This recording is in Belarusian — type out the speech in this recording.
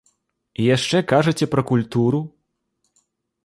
І яшчэ кажаце пра культуру?!